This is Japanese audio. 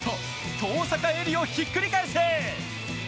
登坂絵莉をひっくり返せ！